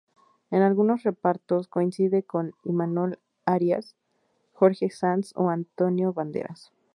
En algunos repartos coincide con Imanol Arias, Jorge Sanz o Antonio Banderas.